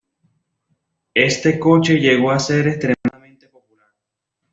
Este coche llegó a ser extremadamente popular.